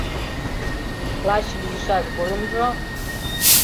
Лач лӱйышаш годымжо